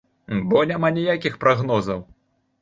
Бо няма ніякіх прагнозаў.